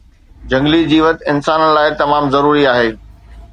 جهنگلي جيوت انسانن لاءِ تمام ضروري آهي